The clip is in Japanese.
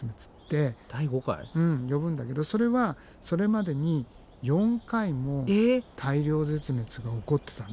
うん呼ぶんだけどそれはそれまでに４回も大量絶滅が起こってたんだよね。